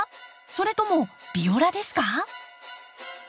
それともビオラですか？